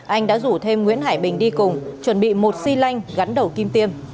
anh đã rủ thêm nguyễn hải bình đi cùng chuẩn bị một xì lanh gắn đầu kim tiêm